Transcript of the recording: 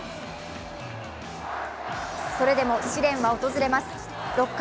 それでも試練は訪れます、６回。